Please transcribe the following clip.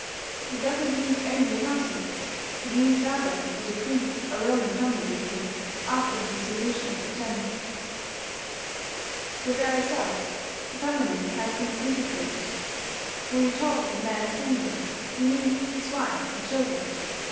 It does not mean only a household: it means rather what the Greek or Roman family became after the dissolution of the gens. With ourselves the family has been disintegrated: when we talk of a man's family, we mean his wife and children.